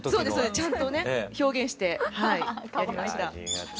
ちゃんとね表現してやりました。